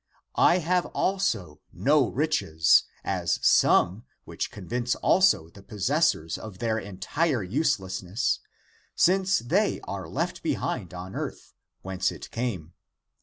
I have also no riches, as some, which convince also the possessors of their entire uselessness, since they are left behind on earth, whence it came.